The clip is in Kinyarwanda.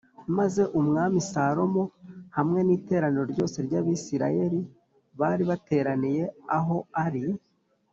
Maze Umwami Salomo hamwe n’iteraniro ryose ry’Abisirayeli bari bateraniye aho ari